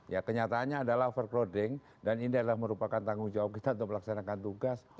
ya kenyataannya adalah overcrowding dan ini adalah merupakan tanggung jawab kita untuk melaksanakan tugas